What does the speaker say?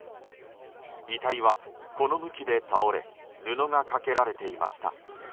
遺体は、この向きで倒れ布がかけられていました。